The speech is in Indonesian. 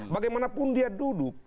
bagaimanapun dia duduk